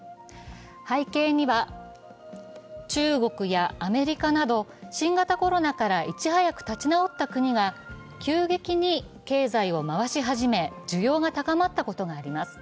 背景には中国やアメリカなど、新型コロナからいち早く立ち直った国が急激に経済を回し始め需要が高まったことがあります。